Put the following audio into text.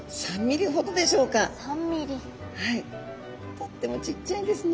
とってもちっちゃいんですね。